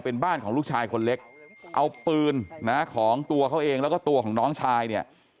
เป็นบ้านของลูกชายคนเล็กเอาปืนนะของตัวเขาเองแล้วก็ตัวของน้องชายเนี่ย